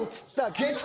月９！